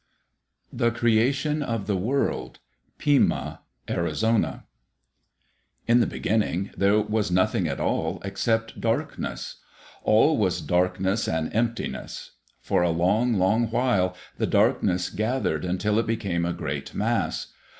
The Creation of the World Pima (Arizona) In the beginning there was nothing at all except darkness. All was darkness and emptiness. For a long, long while, the darkness gathered until it became a great mass.